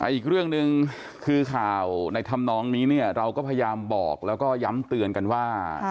อีกเรื่องหนึ่งคือข่าวในธรรมนองนี้เนี่ยเราก็พยายามบอกแล้วก็ย้ำเตือนกันว่า